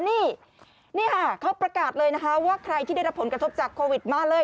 นี่นี่ค่ะเขาประกาศเลยนะคะว่าใครที่ได้รับผลกระทบจากโควิดมาเลย